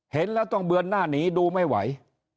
เห็นแล้วต้องเบือนหน้าหนีดูไม่ไหว